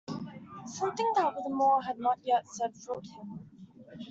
Something that Whittemore had not yet said thrilled him.